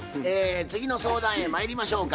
次の相談へまいりましょうか。